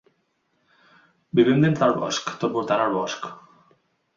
Vivim dins del bosc, tot voltant el bosc.